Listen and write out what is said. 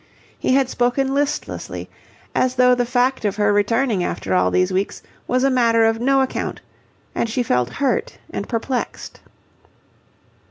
He had spoken listlessly, as though the fact of her returning after all these weeks was a matter of no account, and she felt hurt and perplexed.